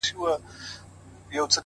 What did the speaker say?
میاشتي کلونه زمانه به ستا وي.!